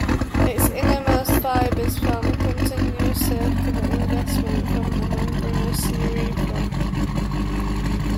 Its innermost fibers form a continuous circular investment for the membranous urethra.